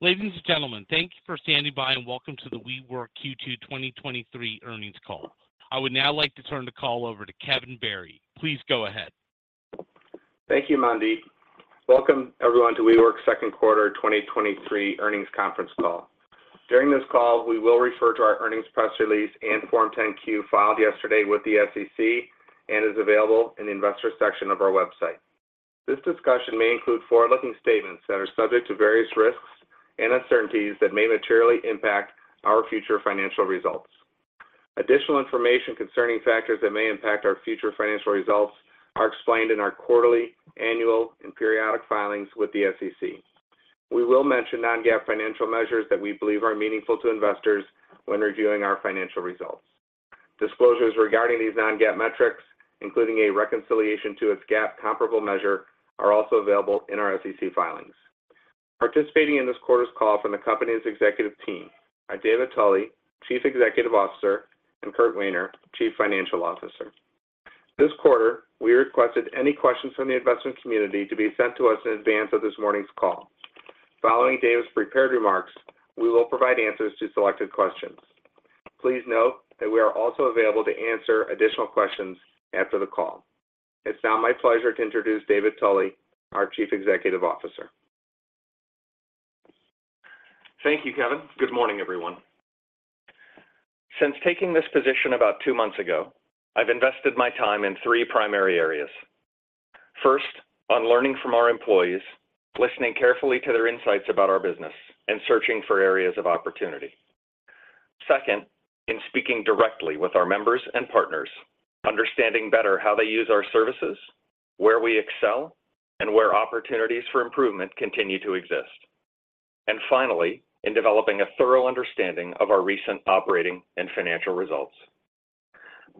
Ladies and gentlemen, thank you for standing by, and welcome to the WeWork Q2 2023 earnings call. I would now like to turn the call over to Kevin Berry. Please go ahead. Thank you, Mandy. Welcome everyone, to WeWork's second quarter 2023 earnings conference call. During this call, we will refer to our earnings press release and Form 10-Q, filed yesterday with the SEC, and is available in the investor section of our website. This discussion may include forward-looking statements that are subject to various risks and uncertainties that may materially impact our future financial results. Additional information concerning factors that may impact our future financial results are explained in our quarterly, annual, and periodic filings with the SEC. We will mention non-GAAP financial measures that we believe are meaningful to investors when reviewing our financial results. Disclosures regarding these non-GAAP metrics, including a reconciliation to its GAAP comparable measure, are also available in our SEC filings. Participating in this quarter's call from the company's executive team are David Tolley, Chief Executive Officer, and Kurt Wehner, Chief Financial Officer. This quarter, we requested any questions from the investment community to be sent to us in advance of this morning's call. Following David's prepared remarks, we will provide answers to selected questions. Please note that we are also available to answer additional questions after the call. It's now my pleasure to introduce David Tolley, our Chief Executive Officer. Thank you, Kevin. Good morning, everyone. Since taking this position about two months ago, I've invested my time in three primary areas. First, on learning from our employees, listening carefully to their insights about our business, and searching for areas of opportunity. Second, in speaking directly with our members and partners, understanding better how they use our services, where we excel, and where opportunities for improvement continue to exist. And finally, in developing a thorough understanding of our recent operating and financial results.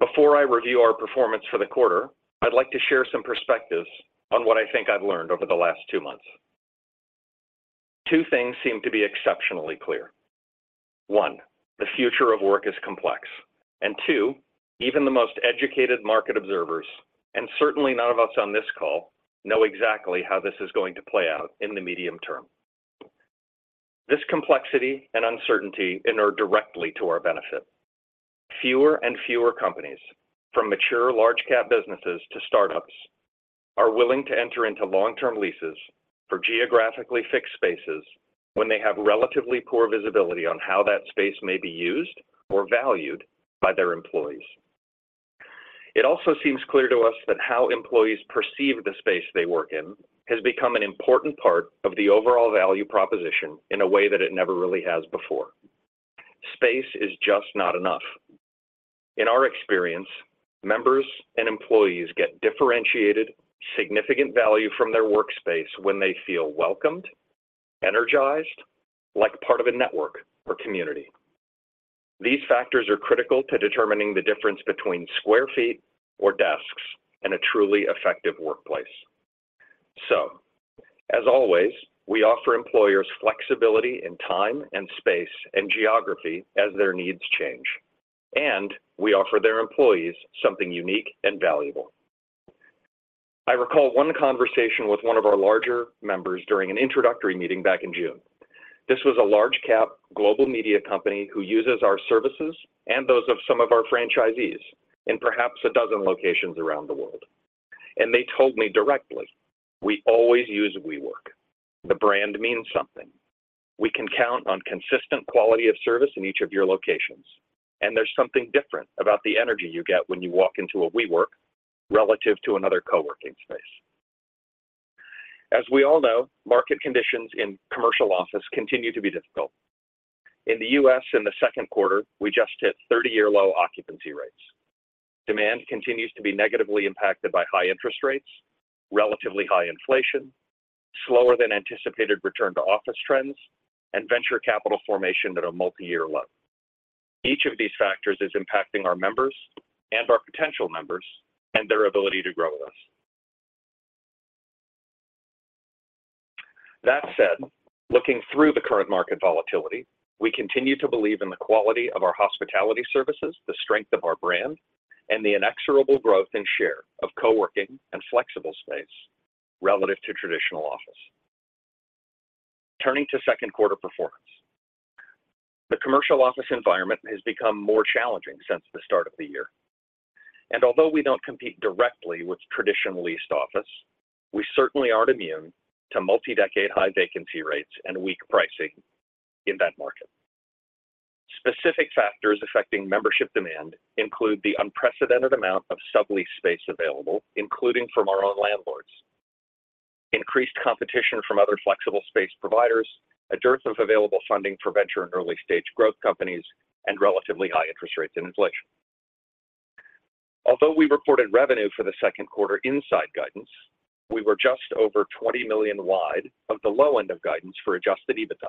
Before I review our performance for the quarter, I'd like to share some perspectives on what I think I've learned over the last two months. Two things seem to be exceptionally clear. One, the future of work is complex, and two, even the most educated market observers, and certainly none of us on this call, know exactly how this is going to play out in the medium term. This complexity and uncertainty enter directly to our benefit. Fewer and fewer companies, from mature large cap businesses to startups, are willing to enter into long-term leases for geographically fixed spaces when they have relatively poor visibility on how that space may be used or valued by their employees. It also seems clear to us that how employees perceive the space they work in, has become an important part of the overall value proposition in a way that it never really has before. Space is just not enough. In our experience, members and employees get differentiated, significant value from their workspace when they feel welcomed, energized, like part of a network or community. These factors are critical to determining the difference between square feet or desks, and a truly effective workplace. As always, we offer employers flexibility in time and space, and geography as their needs change, and we offer their employees something unique and valuable. I recall one conversation with one of our larger members during an introductory meeting back in June. This was a large cap, global media company who uses our services and those of some of our franchisees in perhaps a dozen locations around the world. They told me directly, "We always use WeWork. The brand means something. We can count on consistent quality of service in each of your locations, and there's something different about the energy you get when you walk into a WeWork relative to another coworking space." As we all know, market conditions in commercial office continue to be difficult. In the U.S., in the second quarter, we just hit 30-year low occupancy rates. Demand continues to be negatively impacted by high interest rates, relatively high inflation, slower than anticipated return to office trends, and venture capital formation at a multi-year low. Each of these factors is impacting our members and our potential members, and their ability to grow with us. That said, looking through the current market volatility, we continue to believe in the quality of our hospitality services, the strength of our brand, and the inexorable growth and share of coworking and flexible space relative to traditional office. Turning to second quarter performance. The commercial office environment has become more challenging since the start of the year. Although we don't compete directly with traditional leased office, we certainly aren't immune to multi-decade high vacancy rates and weak pricing in that market. Specific factors affecting membership demand include the unprecedented amount of sublease space available, including from our own landlords, increased competition from other flexible space providers, a dearth of available funding for venture and early-stage growth companies, and relatively high interest rates and inflation. Although we reported revenue for the second quarter inside guidance, we were just over $20 million wide of the low end of guidance for Adjusted EBITDA,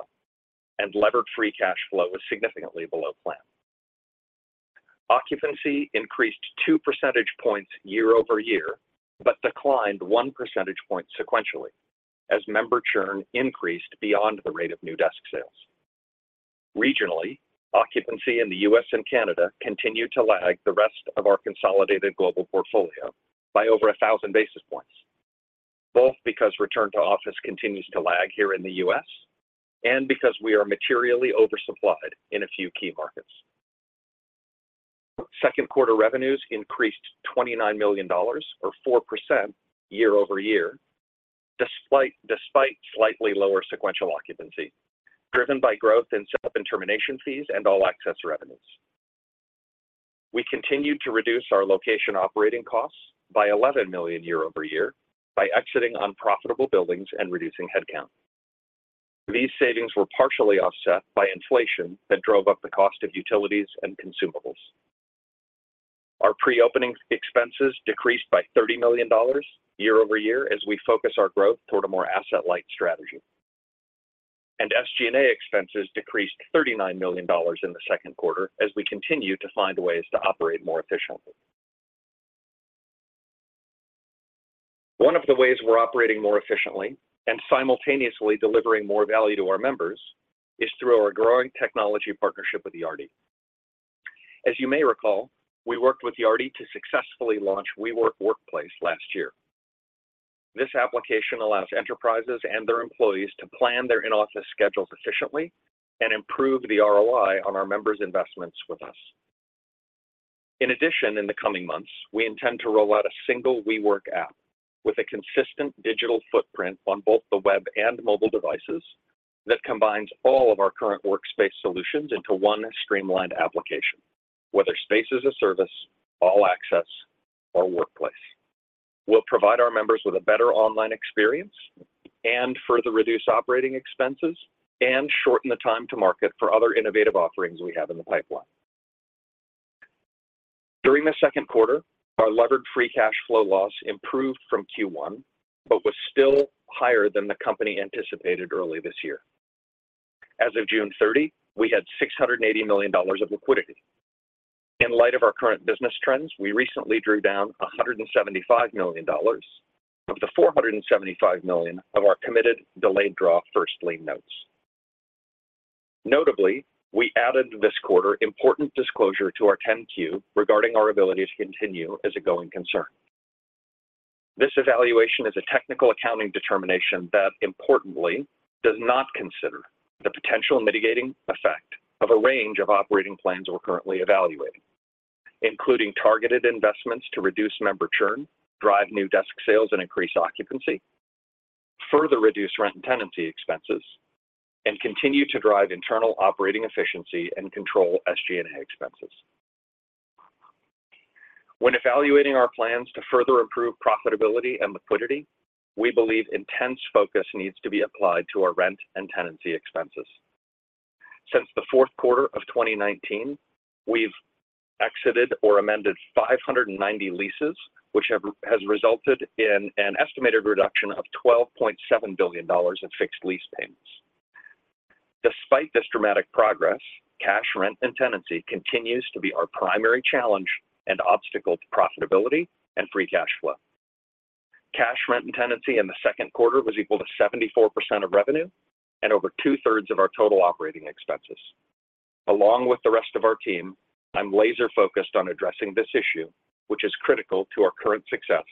and Levered Free Cash Flow was significantly below plan. Occupancy increased two percentage points year-over-year, but declined one percentage point sequentially as member churn increased beyond the rate of new desk sales. Regionally, occupancy in the U.S. and Canada continued to lag the rest of our consolidated global portfolio by over 1,000 basis points, both because return to office continues to lag here in the U.S. and because we are materially oversupplied in a few key markets. Second quarter revenues increased $29 million, or 4% year-over-year, despite slightly lower sequential occupancy, driven by growth in setup and termination fees and All Access revenues. We continued to reduce our location operating costs by $11 million year-over-year by exiting unprofitable buildings and reducing headcount. These savings were partially offset by inflation that drove up the cost of utilities and consumables. Our pre-opening expenses decreased by $30 million year-over-year as we focus our growth toward a more asset-light strategy. SG&A expenses decreased $39 million in the second quarter as we continue to find ways to operate more efficiently. One of the ways we're operating more efficiently and simultaneously delivering more value to our members is through our growing technology partnership with Yardi. As you may recall, we worked with Yardi to successfully launch WeWork Workplace last year. This application allows enterprises and their employees to plan their in-office schedules efficiently and improve the ROI on our members' investments with us. In addition, in the coming months, we intend to roll out a single WeWork app with a consistent digital footprint on both the web and mobile devices that combines all of our current workspace solutions into one streamlined application, whether Space as a Service, All Access, or Workplace. We'll provide our members with a better online experience and further reduce operating expenses and shorten the time to market for other innovative offerings we have in the pipeline. During the second quarter, our Levered Free Cash Flow loss improved from Q1, but was still higher than the company anticipated early this year. As of June 30, we had $680 million of liquidity. In light of our current business trends, we recently drew down $175 million of the $475 million of our committed delayed draw first lien notes. Notably, we added this quarter important disclosure to our 10-Q regarding our ability to continue as a going concern. This evaluation is a technical accounting determination that, importantly, does not consider the potential mitigating effect of a range of operating plans we're currently evaluating, including targeted investments to reduce member churn, drive new desk sales, and increase occupancy, further reduce rent and tenancy expenses, and continue to drive internal operating efficiency and control SG&A expenses. When evaluating our plans to further improve profitability and liquidity, we believe intense focus needs to be applied to our rent and tenancy expenses. Since the fourth quarter of 2019, we've exited or amended 590 leases, which has resulted in an estimated reduction of $12.7 billion in fixed lease payments. Despite this dramatic progress, cash, rent, and tenancy continues to be our primary challenge and obstacle to profitability and free cash flow. Cash, rent, and tenancy in the second quarter was equal to 74% of revenue and over two-thirds of our total operating expenses. Along with the rest of our team, I'm laser focused on addressing this issue, which is critical to our current success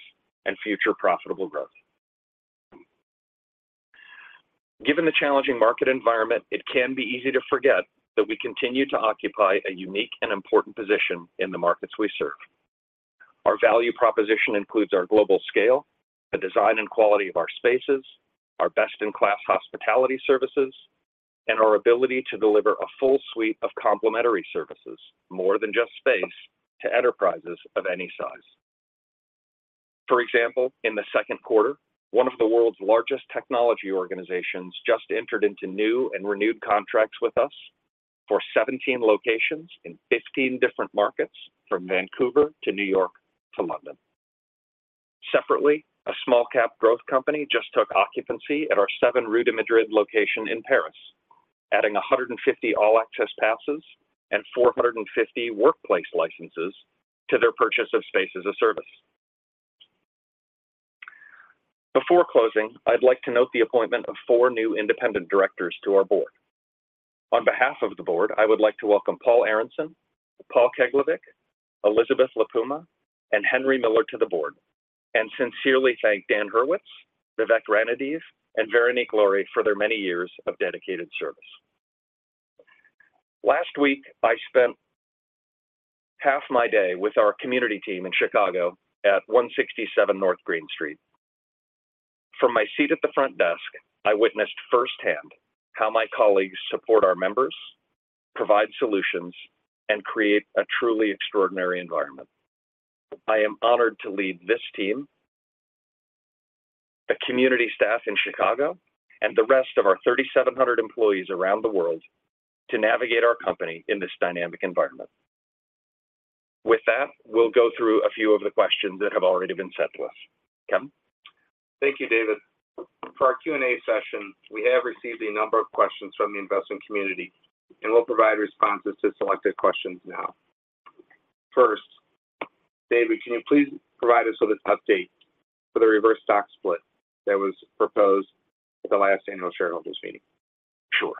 and future profitable growth. Given the challenging market environment, it can be easy to forget that we continue to occupy a unique and important position in the markets we serve. Our value proposition includes our global scale, the design and quality of our spaces, our best-in-class hospitality services, and our ability to deliver a full suite of complimentary services, more than just space, to enterprises of any size. For example, in the second quarter, one of the world's largest technology organizations just entered into new and renewed contracts with us for 17 locations in 15 different markets, from Vancouver to New York to London. Separately, a small cap growth company just took occupancy at our 7 Rue de Madrid location in Paris, adding 150 All Access passes and 450 Workplace licenses to their purchase of Space as a Service. Before closing, I'd like to note the appointment of four new independent directors to our board. On behalf of the board, I would like to welcome Paul Aronzon, Paul Keglevic, Elizabeth LaPuma, and Henry Miller to the board, and sincerely thank Dan Hurwitz, Vivek Ranadivé, and Véronique Laury for their many years of dedicated service. Last week, I spent half my day with our community team in Chicago at 167 North Green Street. From my seat at the front desk, I witnessed firsthand how my colleagues support our members, provide solutions, and create a truly extraordinary environment. I am honored to lead this team, the community staff in Chicago, and the rest of our 3,700 employees around the world to navigate our company in this dynamic environment. With that, we'll go through a few of the questions that have already been sent to us. Kevin? Thank you, David. For our Q&A session, we have received a number of questions from the investing community, and we'll provide responses to selected questions now. First, David, can you please provide us with an update for the reverse stock split that was proposed at the last annual shareholders meeting? Sure.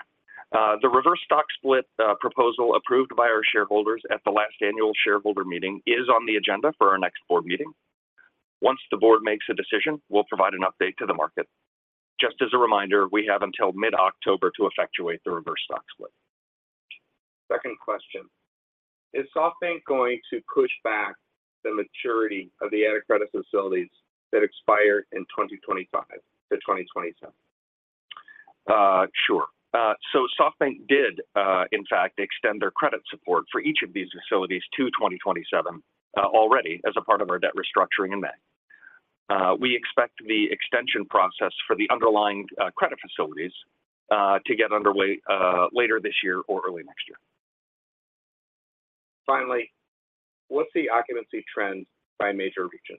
The reverse stock split proposal approved by our shareholders at the last annual shareholder meeting is on the agenda for our next board meeting. Once the board makes a decision, we'll provide an update to the market. Just as a reminder, we have until mid-October to effectuate the reverse stock split. Second question: Is SoftBank going to push back the maturity of the added credit facilities that expire in 2025 to 2027? Sure. SoftBank did, in fact, extend their credit support for each of these facilities to 2027, already as a part of our debt restructuring in May. We expect the extension process for the underlying credit facilities to get underway later this year or early next year. Finally, what's the occupancy trend by major region?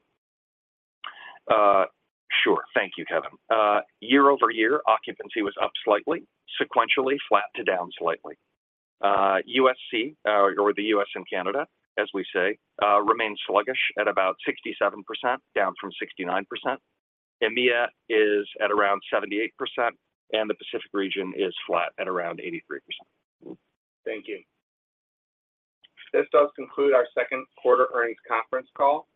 Sure. Thank you, Kevin. year-over-year, occupancy was up slightly, sequentially flat to down slightly. US&C, or the U.S. and Canada, as we say, remains sluggish at about 67%, down from 69%. EMEA is at around 78%. The Pacific region is flat at around 83%. Thank you. This does conclude our second quarter earnings conference call.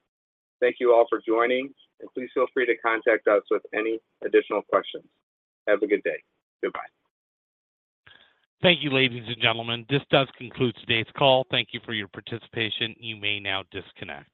Thank you all for joining, and please feel free to contact us with any additional questions. Have a good day. Goodbye. Thank you, ladies and gentlemen. This does conclude today's call. Thank you for your participation. You may now disconnect.